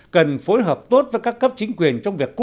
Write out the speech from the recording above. cần phối hợp tốt với các cấp chính quyền trong việc cung cấp